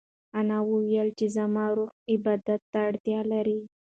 انا وویل چې زما روح عبادت ته اړتیا لري.